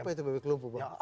apa itu bebek lumpuh pak